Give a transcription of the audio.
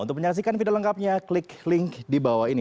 untuk menyaksikan video lengkapnya klik link di bawah ini